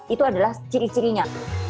itu adalah ciri cirinya